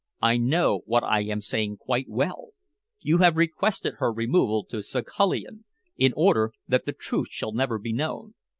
"I know what I am saying quite well. You have requested her removal to Saghalien in order that the truth shall be never known.